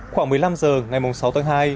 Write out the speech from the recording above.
khoảng một mươi năm h ngày sáu tháng hai